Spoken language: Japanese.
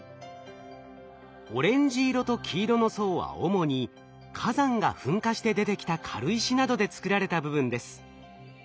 オレンジ色と黄色の層は主に火山が噴火して出てきた軽石などで作られた部分です。